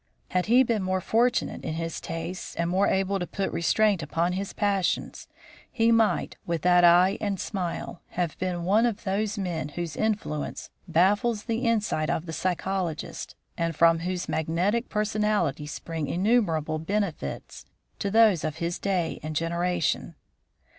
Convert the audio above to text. Had he been more fortunate in his tastes or more able to put restraint upon his passions, he might, with that eye and smile, have been one of those men whose influence baffles the insight of the psychologist, and from whose magnetic personality spring innumerable benefits to those of his day and generation.